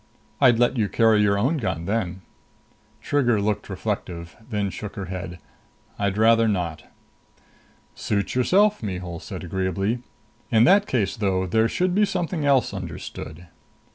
"I'd let you carry your own gun then." Trigger looked reflective, then shook her head. "I'd rather not." "Suit yourself," Mihul said agreeably. "In that case though, there should be something else understood."